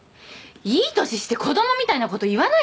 いい年して子供みたいなこと言わないでよ！